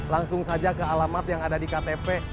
langsung saja ke alamat yang ada di ktp